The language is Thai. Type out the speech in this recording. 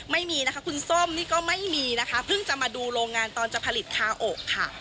ไม่มีนะคะคุณส้มนี่ก็ไม่มีนะคะเพิ่งจะมาดูโรงงานตอนจะผลิตคาอกค่ะ